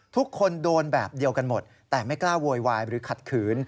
ทุกคนโดนแบบเดียวกันหมดแต่ไม่กล้าโวยวายหรือขัดขืน